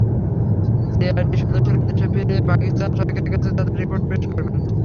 JIT সদস্যরা দেশে ফিরে পাকিস্তান সরকারের কাছে তাঁদের রিপোর্ট পেশ করবেন।